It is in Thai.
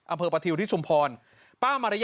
อำเภอปะทิวที่ชุมพร